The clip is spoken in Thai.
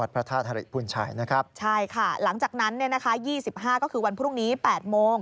พระธาตุธริพุนชัยนะครับใช่ค่ะหลังจากนั้นเนี่ยนะคะ๒๕ก็คือวันพรุ่งนี้๘โมง